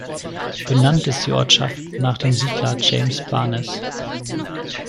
Benannt ist die Ortschaft nach dem Siedler James Barnes.